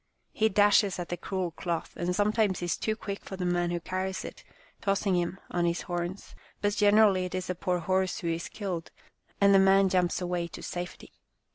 He dashes at the cruel cloth, and sometimes is too quick for the man who carries it, tossing him on his horns, but gen erally it is the poor horse who is killed, and the man jumps away to safety.